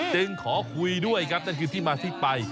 จึงขอคุยด้วยครับนั่นคือที่มาที่ไป